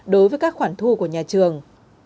đối với các khoản thu của nhà trường